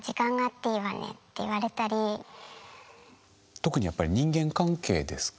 特にやっぱり人間関係ですか？